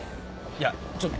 いやちょっと。